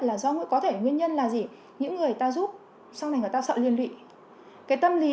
là sao người có thể nguyên nhân là gì những người ta giúp sau này người ta sợ liên lụy cái tâm lý